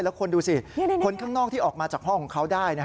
แล้วคุณดูสิคนข้างนอกที่ออกมาจากห้องของเขาได้